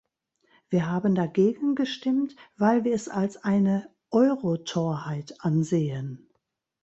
Wir haben dagegen gestimmt, weil wir es als eine Euro-Torheit ansehen.